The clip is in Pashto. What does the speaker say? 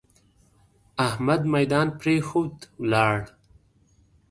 احمد ميدان پرېښود؛ ولاړ.